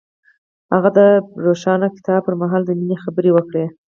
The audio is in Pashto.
هغه د روښانه کتاب پر مهال د مینې خبرې وکړې.